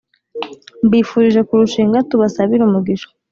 mbifuje kurushinga tubasabire umugisha